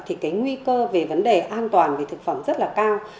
thì cái nguy cơ về vấn đề an toàn về thực phẩm rất là cao